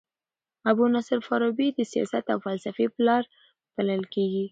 ابو نصر فارابي د سیاست او فلسفې پلار بلل کيږي.